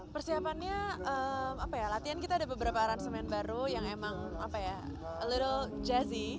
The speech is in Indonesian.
persiapannya latihan kita ada beberapa ransumen baru yang emang a little jazzy